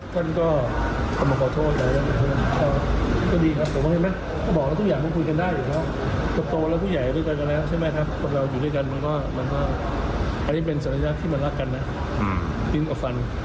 คนสันติภาพเชื่อว่าเรื่องถังทางเป็นทางออก